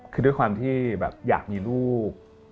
คือด้วยความที่แบบอยากมีลูก